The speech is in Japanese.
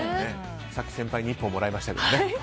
さっき先輩に１本もらいましたけどね。